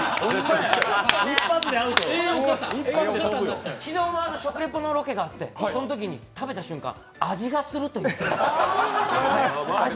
一発でアウ昨日も食レポのロケがあって食べた瞬間、味がするって言ってました。